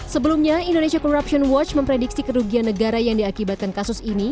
sebelumnya indonesia corruption watch memprediksi kerugian negara yang diakibatkan kasus ini